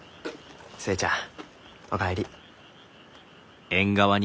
寿恵ちゃんお帰り。